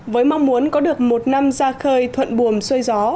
với mong muốn có được một năm ra khơi thuận buồm xuôi gió